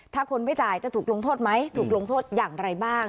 ถ้าคนไม่จ่ายจะถูกลงโทษไหมถูกลงโทษอย่างไรบ้าง